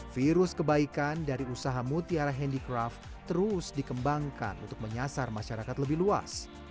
virus kebaikan dari usaha mutiara handicraft terus dikembangkan untuk menyasar masyarakat lebih luas